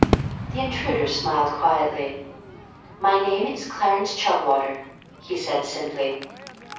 The intruder smiled quietly. "My name is Clarence Chugwater," he said simply.